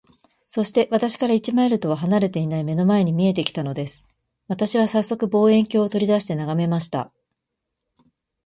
そして、私から一マイルとは離れていない眼の前に見えて来たのです。私はさっそく、望遠鏡を取り出して眺めました。